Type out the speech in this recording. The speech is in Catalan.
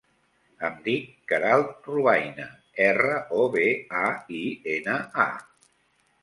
Em dic Queralt Robaina: erra, o, be, a, i, ena, a.